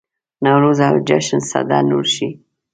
نوروز او جشن سده نور شي.